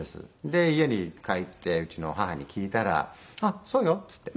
で家に帰ってうちの母に聞いたら「あっそうよ」っつって。